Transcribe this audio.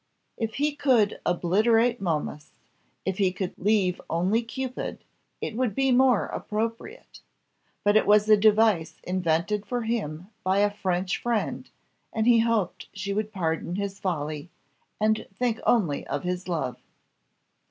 "If he could obliterate Momus if he could leave only Cupid, it would be more appropriate. But it was a device invented for him by a French friend, and he hoped she would pardon his folly, and think only of his love!"